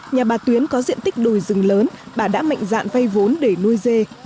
nhà bà tuyến có diện tích đồi rừng lớn bà đã mạnh dạn vay vốn để nuôi dê